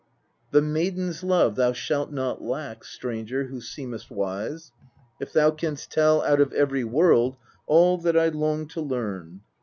8. The maiden's love thou shalt not lack, stranger, who seemest wise ! if thou canst tell out of every world all that I long to learn. 3.